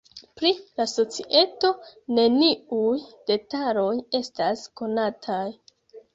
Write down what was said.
Pri la societo, neniuj detaloj estas konataj.